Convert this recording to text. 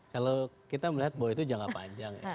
kalau kita melihat bahwa itu jangka panjang ya